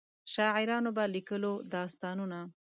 شاعرانو به لیکلو داستانونه.